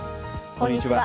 こんにちは。